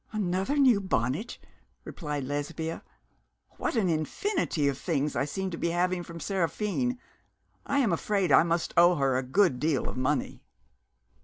'Another new bonnet!' replied Lesbia. 'What an infinity of things I seem to be having from Seraphine. I'm afraid I must owe her a good deal of money.'